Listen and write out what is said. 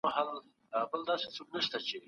وروسته په اسنادو کې ستونزه جوړوي.